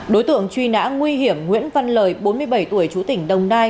đối tượng truy nã nguy hiểm nguyễn văn lời bốn mươi bảy tuổi chú tỉnh đồng nai